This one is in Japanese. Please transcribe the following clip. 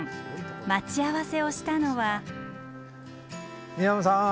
待ち合わせをしたのは。